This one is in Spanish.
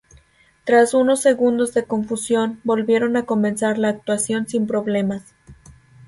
Tras unos segundos de confusión, volvieron a comenzar la actuación sin problemas.